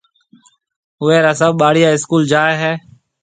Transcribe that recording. اوئيَ را سڀ ٻاݪيا اسڪول جائيَ ھيََََ